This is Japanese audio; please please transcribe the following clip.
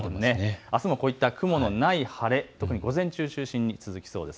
あすもこういった雲のない晴れ、特に午前中を中心に続きそうです。